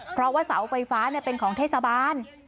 เพราะว่าเสาไฟฟ้าเป็นของเทศบาล